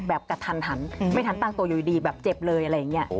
แบบกระทันไม่ทันตั้งตัวอยู่ดีแบบเจ็บเลยอะไรอย่างนี้